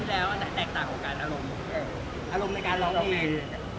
อารมณ์ในการร้องนี้